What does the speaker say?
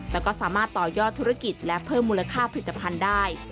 แต่ก็สามารถต่อยอดธุรกิจและเพิ่มมูลค่าผลิตภัณฑ์ได้